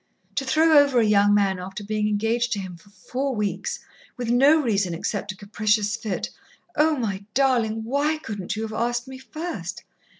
To throw over a young man after being engaged to him for four weeks, with no reason except a capricious fit.... Oh, my darling, why couldn't you have asked me first?